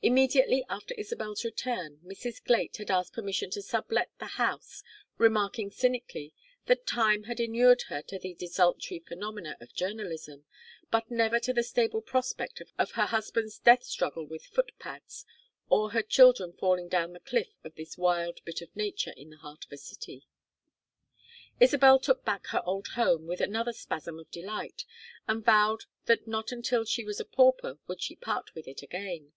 Immediately after Isabel's return Mrs. Glait had asked permission to sublet the house, remarking cynically that time had inured her to the desultory phenomena of journalism, but never to the stable prospect of her husband's death struggle with foot pads, or her children falling down the cliff of this wild bit of nature in the heart of a city. Isabel took back her old home with another spasm of delight, and vowed that not until she was a pauper would she part with it again.